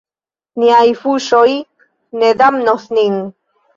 Niaj fuŝoj ne damnos nin.